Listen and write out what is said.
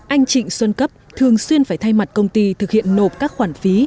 anh trịnh xuân cấp thường xuyên phải thay mặt công ty thực hiện nộp các khoản phí